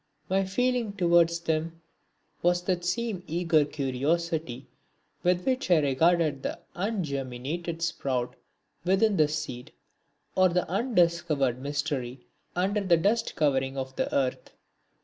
My feeling towards them was that same eager curiosity with which I regarded the ungerminated sprout within the seed, or the undiscovered mystery under the dust covering of the earth.